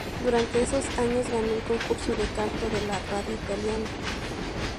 Durante esos años, ganó el concurso de Canto de la radio Italiana.